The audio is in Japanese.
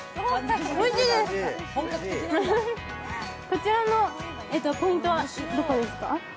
こちらのポイントはどこですか？